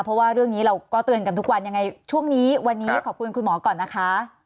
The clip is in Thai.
เพราะว่าเรื่องนี้เราก็เตือนกันทุกวันยังไงช่วงนี้วันนี้ขอบคุณคุณหมอก่อนนะคะ